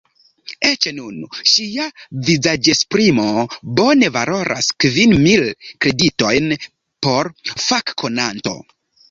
Eĉ nun, ŝia vizaĝesprimo bone valoras kvin mil kreditojn por fakkonanto.